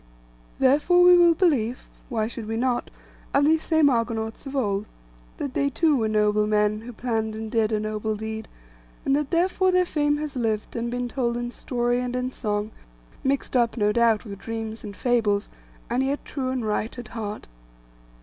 Therefore we will believe—why should we not?—of these same Argonauts of old, that they too were noble men, who planned and did a noble deed; and that therefore their fame has lived, and been told in story and in song, mixed up, no doubt, with dreams and fables, and yet true and right at heart.